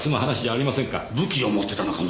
武器を持ってたのかも。